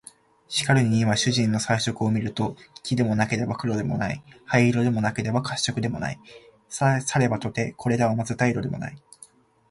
しかるに今主人の彩色を見ると、黄でもなければ黒でもない、灰色でもなければ褐色でもない、さればとてこれらを交ぜた色でもない